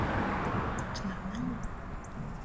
Это нормально?